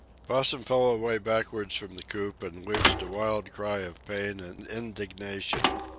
Possum fell away backwards from the coop and loosed a wild cry of pain and indignation.